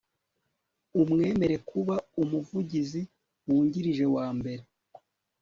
umwemere kuba umuvugizi wungirije wa mbere